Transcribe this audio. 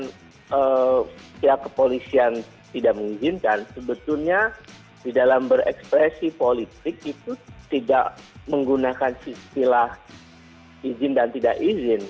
jadi setiap kepolisian tidak mengizinkan sebetulnya di dalam berekspresi politik itu tidak menggunakan istilah izin dan tidak izin